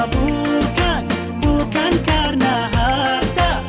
bukan bukan karena harta